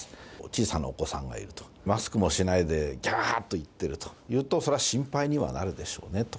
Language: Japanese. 小さなお子さんがいると、マスクもしないで、ぎゃーっと言ってるというと、それは心配にはなるでしょうねと。